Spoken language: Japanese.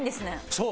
そう。